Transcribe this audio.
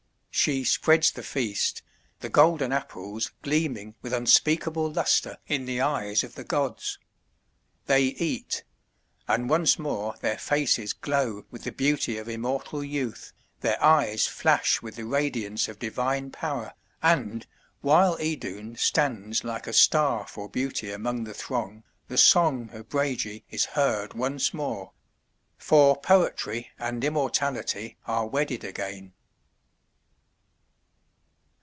She spreads the feast, the golden Apples gleaming with unspeakable lustre in the eyes of the gods. They eat; and once more their faces glow with the beauty of immortal youth, their eyes flash with the radiance of divine power, and, while Idun stands like a star for beauty among the throng, the song of Brage is heard once more; for poetry and immortality are wedded again.